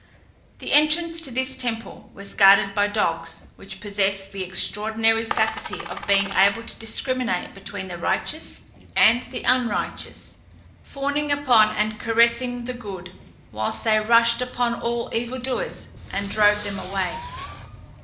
The entrance to this temple was guarded by dogs, which possessed the extraordinary faculty of being able to discriminate between the righteous and the unrighteous, fawning upon and caressing the good, whilst they rushed upon all evil doers and drove them away.